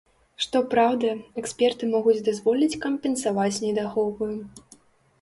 Што праўда, эксперты могуць дазволіць кампенсаваць недахопы.